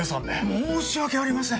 申し訳ありません。